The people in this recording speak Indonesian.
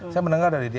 saya mendengar dari dia